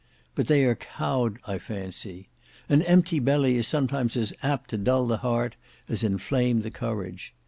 But they are cowed I fancy. An empty belly is sometimes as apt to dull the heart as inflame the courage.